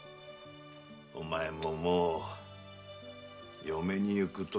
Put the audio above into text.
お前ももう嫁に行く年ごろだ。